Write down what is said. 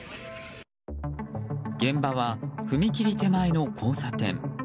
現場は踏切手前の交差点。